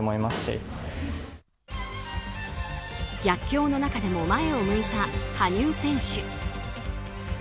逆境の中でも前を向いた羽生選手。